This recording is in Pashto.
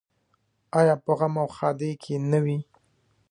آیا په غم او ښادۍ کې نه وي؟